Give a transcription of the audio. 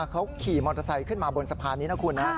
เขาขี่มอเตอร์ไซค์ขึ้นมาบนสะพานนี้นะคุณนะ